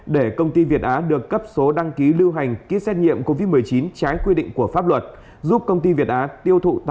để công ty việt á được cấp số đăng ký lưu hành ký xét nhiệm covid một mươi chín trái quy định của pháp luật